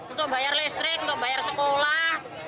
untuk membayar listrik untuk membayar sekolah